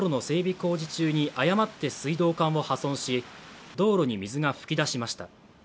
工事中に誤って水道管を破損し、道路に水が噴き出しました。